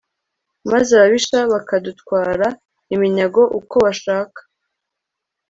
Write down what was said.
maze ababisha bakadutwara iminyago uko bashaka